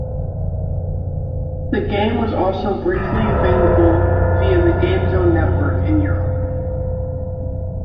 The game was also briefly available via the Gamezone network in Europe.